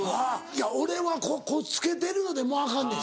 いや俺はこう着けてるのでもうアカンねん。